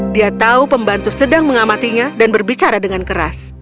dia tahu pembantu sedang mengamatinya dan berbicara dengan keras